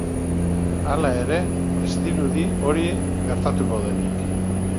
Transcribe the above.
Hala ere, ez dirudi hori gertatuko denik.